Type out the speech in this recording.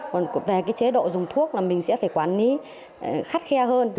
còn về cái chế độ dùng thuốc là mình sẽ phải quản lý khắt khe hơn